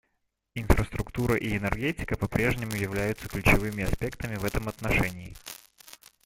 Инфраструктура и энергетика по-прежнему являются ключевыми аспектами в этом отношении.